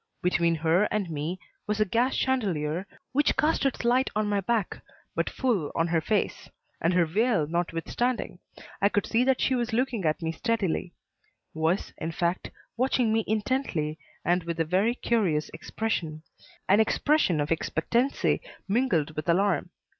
Between her and me was a gas chandelier which cast its light on my back but full on her face; and her veil notwithstanding, I could see that she was looking at me steadily; was, in fact, watching me intently and with a very curious expression an expression of expectancy mingled with alarm.